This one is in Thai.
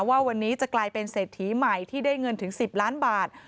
ว่าวันนี้จะกลายเป็นเศรษฐีใหม่ที่ได้เงินถึง๑๐ล้านบาท